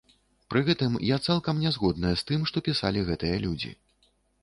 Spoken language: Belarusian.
Пры гэтым, я цалкам не згодная з тым, што пісалі гэтыя людзі.